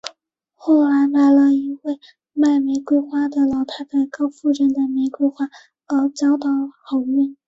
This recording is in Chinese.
后来买了一位卖玫瑰花的老太太高夫人的玫瑰花而交到好运。